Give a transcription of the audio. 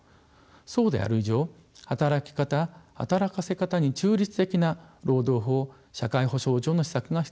そうである以上働き方働かせ方に中立的な労働法・社会保障上の施策が必要です。